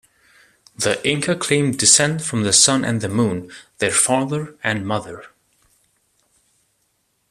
The Inca claimed descent from the Sun and the Moon, their Father and Mother.